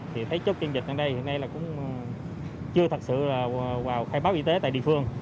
thì thấy chốt kiểm dịch ở đây hôm nay là cũng chưa thật sự vào khai báo y tế tại địa phương